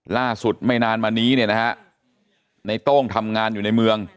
ไม่นานมานี้เนี่ยนะฮะในโต้งทำงานอยู่ในเมือง